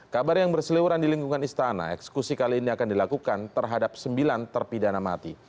kabar yang berseliuran di lingkungan istana eksekusi kali ini akan dilakukan terhadap sembilan terpidana mati